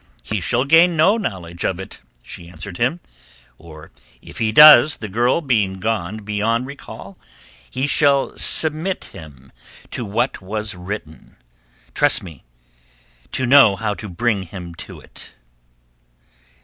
"He shall gain no knowledge of it," she answered him. "Or if he does, the girl being gone beyond recall, he shall submit him to what was written. Trust me to know how to bring him to it."